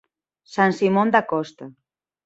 San Simón da Costa.